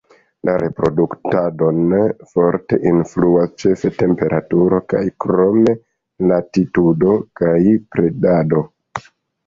La reproduktadon forte influas ĉefe temperaturo kaj krome latitudo kaj predado.